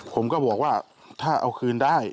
ผมก็บอกว่าถ้าเอาคืนได้